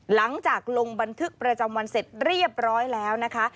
หลังจากลงบันทึกประจำวันเสร็จเรียบร้อยแล้วนะคะ